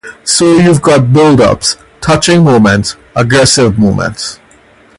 So you've got buildups, touching moments, aggressive moments.